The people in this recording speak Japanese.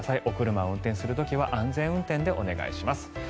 お車を運転する時は安全運転でお願いします。